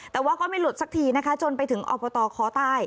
แต่ว่าก็ไม่หลุดสักทีนะคะจนไปถึงอบตคอใต้